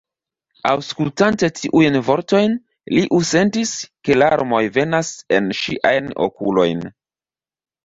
Aŭskultante tiujn vortojn, Liu sentis, ke larmoj venas en ŝiajn okulojn.